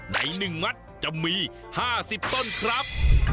ใน๑มัดจะมี๕๐ต้นครับ